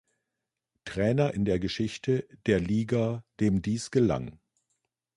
Trainer in der Geschichte der Liga dem dies gelang.